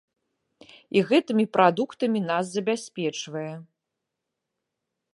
І гэтымі прадуктамі нас забяспечвае.